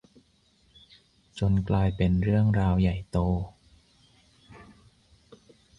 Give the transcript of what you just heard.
จนกลายเป็นเรื่องราวใหญ่โต